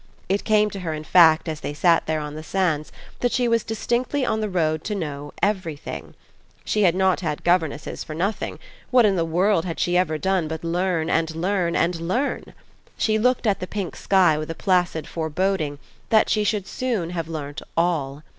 It came to her in fact as they sat there on the sands that she was distinctly on the road to know Everything. She had not had governesses for nothing: what in the world had she ever done but learn and learn and learn? She looked at the pink sky with a placid foreboding that she soon should have learnt All.